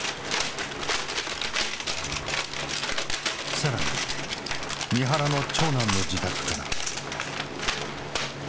更に三原の長男の自宅からは。